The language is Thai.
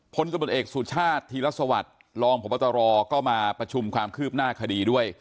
ผลกระบวนเอกสูตรชาติธิรัฐสวรรค์ลองผบตรก็มาประชุมความคืบหน้าคดีด้วย